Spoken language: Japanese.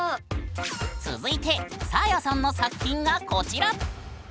続いてサーヤさんの作品がこちら！